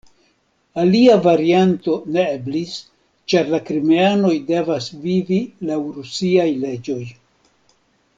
Alia varianto ne eblis, ĉar la krimeanoj devas vivi laŭ rusiaj leĝoj.